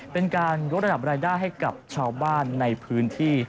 เป็นการยกระดับรายได้ให้กับชาวบ้านในพื้นที่